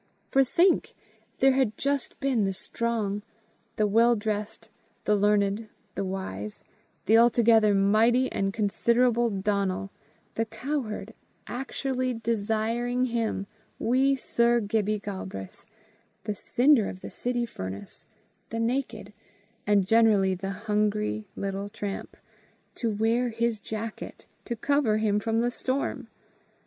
For, think! there had just been the strong, the well dressed, the learned, the wise, the altogether mighty and considerable Donal, the cowherd, actually desiring him, wee Sir Gibbie Galbraith, the cinder of the city furnace, the naked, and generally the hungry little tramp, to wear his jacket to cover him from the storm!